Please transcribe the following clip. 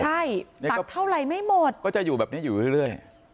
ใช่ตัดเท่าไหร่ไม่หมดก็จะอยู่แบบนี้อยู่เรื่อย